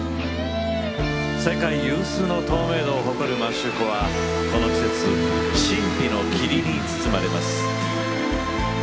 世界有数の透明度を誇る摩周湖はこの季節神秘の霧に包まれます。